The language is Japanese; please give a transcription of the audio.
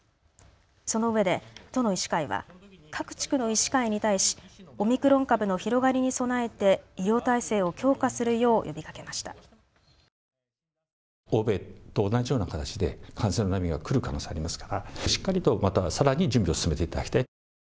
そのうえで都の医師会は各地区の医師会に対しオミクロン株の広がりに備えて医療体制を強化するよう呼びかけました。